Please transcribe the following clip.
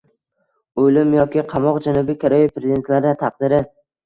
O‘lim yoki qamoq — Janubiy Koreya prezidentlari taqdiri